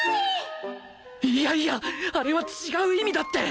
いやいやあれは違う意味だって！